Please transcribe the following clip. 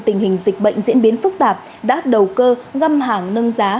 tình hình dịch bệnh diễn biến phức tạp đát đầu cơ ngâm hàng nâng giá